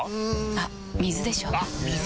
あっ水でしょ！